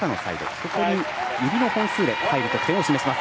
そして、指の本数で入る得点を示します。